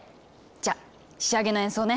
じゃ仕上げの演奏ね。